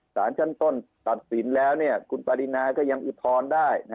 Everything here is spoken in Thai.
สารชั้นต้นตัดสินแล้วคุณปรินาก็ยังอุทธรณ์ได้